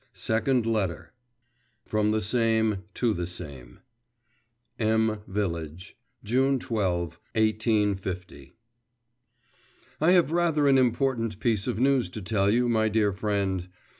SECOND LETTER From the SAME to the SAME M VILLAGE, June 12, 1850. I have rather an important piece of news to tell you, my dear friend.